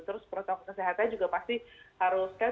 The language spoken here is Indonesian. terus protokol kesehatan juga pasti harus kan